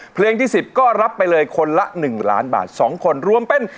เพลงที่สิบก็รับไปเลยคนละหนึ่งล้านบาทสองคนรวมเป็น